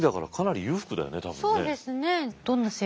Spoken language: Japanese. そうですね。